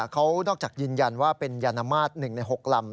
เขานอกจากยืนยันว่าเป็นยานมาตร๑ใน๖ลำ